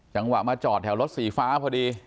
จังหวะมาจอดแถวรถสีฟ้าพอดี